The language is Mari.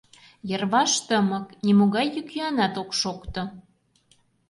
Йырваш тымык, нимогай йӱк-йӱанат ок шокто...